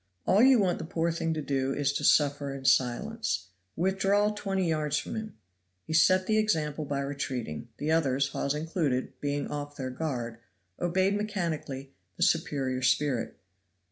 "All you want the poor thing to do is to suffer in silence. Withdraw twenty yards from him." He set the example by retreating; the others, Hawes included, being off their guard, obeyed mechanically the superior spirit.